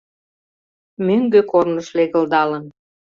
Мӧҥгӧ корныш легылдалын